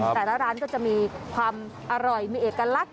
แต่ละร้านก็จะมีความอร่อยมีเอกลักษณ